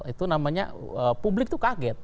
itu namanya publik itu kaget